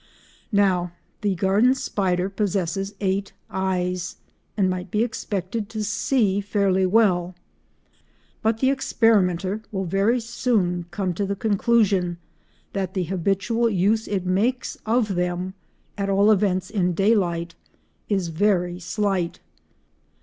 Now the garden spider possesses eight eyes, and might be expected to see fairly well, but the experimenter will very soon come to the conclusion that the habitual use it makes of them—at all events in day light—is very slight.